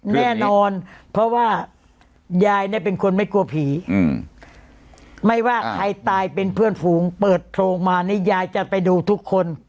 แน่นอนเพราะว่ายายเนี่ยเป็นคนไม่กลัวผีไม่ว่าใครตายเป็นเพื่อนฝูงเปิดโพรงมานี่ยายจะไปดูทุกคน